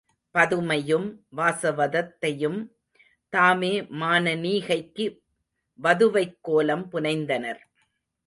பதுமையும், வாசவதத்தையும் தாமே மானனீகைக்கு வதுவைக்கோலம் புனைந்தனர்.